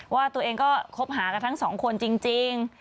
ว่าตัวเองก็คบหากันทั้งสองคนจริง